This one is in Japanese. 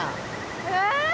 え？